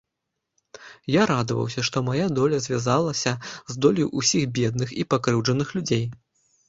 Я радаваўся, што мая доля звязалася з доляй усіх бедных і пакрыўджаных людзей.